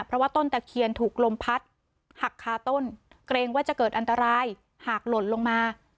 เพราะว่าต้นตะเคียนถูกลมพัดหักคาต้นเกรงว่าจะเกิดอันตรายหากหล่นลงมา